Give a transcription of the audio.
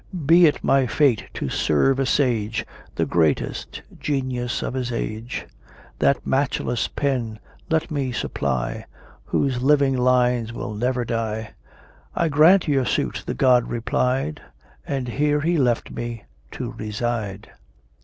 Be it my fate to serve a sage, The greatest genius of his age; That matchless pen let me supply, Whose living lines will never die!" "I grant your suit," the god replied, And here he left me to reside.